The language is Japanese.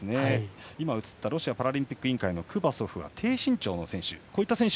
ロシアパラリンピック委員会クバソフは低身長の選手。